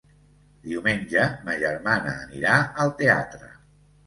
Diumenge ma germana anirà al teatre.